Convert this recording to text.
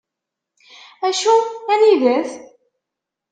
Acu? Anida-t?